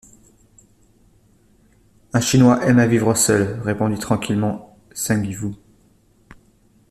Un Chinois aime à vivre seul, répondit tranquillement Seng-Vou.